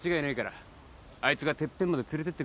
あいつがてっぺんまで連れてってくれるぜ。